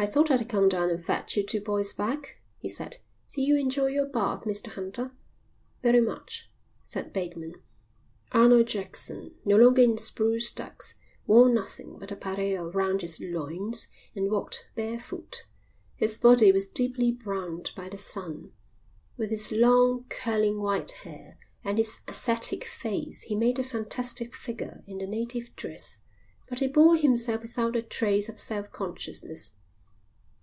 "I thought I'd come down and fetch you two boys back," he said. "Did you enjoy your bath, Mr Hunter?" "Very much," said Bateman. Arnold Jackson, no longer in spruce ducks, wore nothing but a pareo round his loins and walked barefoot. His body was deeply browned by the sun. With his long, curling white hair and his ascetic face he made a fantastic figure in the native dress, but he bore himself without a trace of self consciousness.